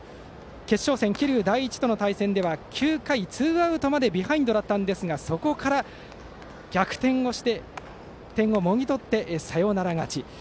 決勝戦、桐生第一との試合では９回ツーアウトまでビハインドだったんですがそこから逆転をして点をもぎ取ってサヨナラ勝ち。